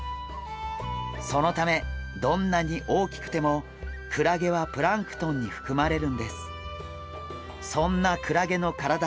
そのためどんなに大きくてもクラゲはプランクトンにふくまれるんです。